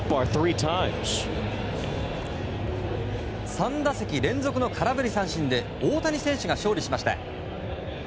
３打席連続の空振り三振で大谷選手が勝利しました。